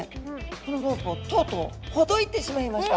このロープをとうとうほどいてしまいました。